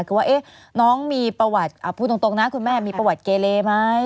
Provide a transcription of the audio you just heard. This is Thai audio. คือว่าน้องมีประวัติพูดตรงนะคุณแม่มีประวัติเกเลไหม